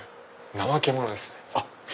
ナマケモノですね。